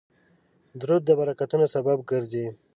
درود د برکتونو سبب ګرځي